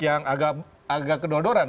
yang agak kenodoran